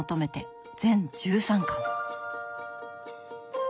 全１３巻。